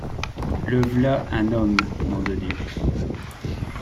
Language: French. Le v’là un homme, nom de Dieu!